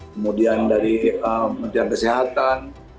kemudian dari kementerian kesehatan